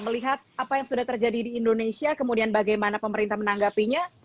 melihat apa yang sudah terjadi di indonesia kemudian bagaimana pemerintah menanggapinya